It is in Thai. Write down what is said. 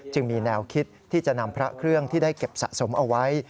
มีแนวคิดที่จะนำพระเครื่องที่ได้เก็บสะสมเอาไว้